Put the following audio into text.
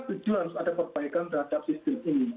kita tujuan ada perbaikan terhadap sistem ini